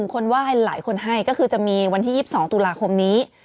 คนไหว้หลายคนให้ก็คือจะมีวันที่๒๒ตุลาคมนี้